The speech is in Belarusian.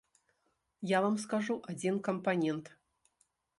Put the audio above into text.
Я вам скажу адзін кампанент.